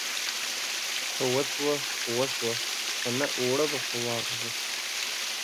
که وسوه خو وسوه ، که نه اوړه به په واغږو.